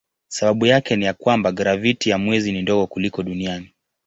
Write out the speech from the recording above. Sababu yake ni ya kwamba graviti ya mwezi ni ndogo kuliko duniani.